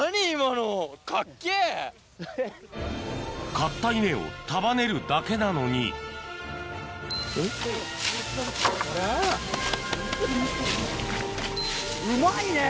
刈った稲を束ねるだけなのにうまいねぇ。